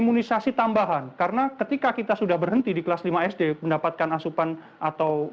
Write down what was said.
imunisasi tambahan karena ketika kita sudah berhenti di kelas lima sd mendapatkan asupan atau